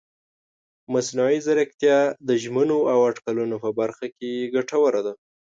مصنوعي ځیرکتیا د ژمنو او اټکلونو په برخه کې ګټوره ده.